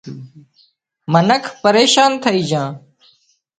منک پريشان ٿئي جھان